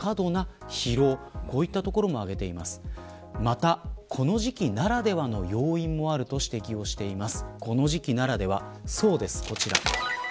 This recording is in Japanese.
またこの時期ならではの要因もあると指摘しています。